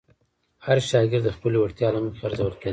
هر شاګرد د خپلې وړتیا له مخې ارزول کېده.